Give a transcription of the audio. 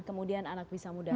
kemudian anak bisa muda